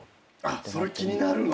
それ気になるの？